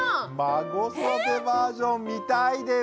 孫育てバージョン見たいです！